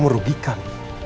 tapi justru merugikan